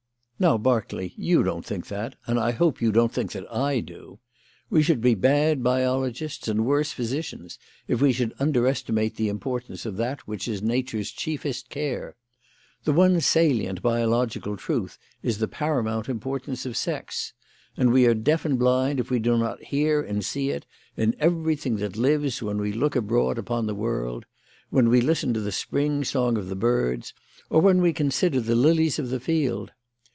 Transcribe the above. "Now, Berkeley, you don't think that, and I hope you don't think that I do. We should be bad biologists and worse physicians if we should under estimate the importance of that which is Nature's chiefest care. The one salient biological truth is the paramount importance of sex; and we are deaf and blind if we do not hear and see it in everything that lives when we look abroad upon the world; when we listen to the spring song of the birds, or when we consider the lilies of the field.